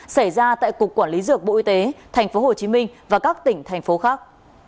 xảy ra tại cục quản lý dược bộ y tế tp hcm và các tỉnh thành phố khác